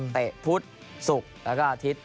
พุธศุกร์แล้วก็อาทิตย์